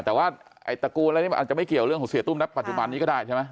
แต่ว่าไอ้ตากูนก็ไม่มีอะไรกับเรื่องของเสียตุ้มปัจจุบันนี้นะใช่ไหม